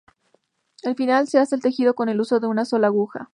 Al final, se hace el tejido con el uso de una sola aguja.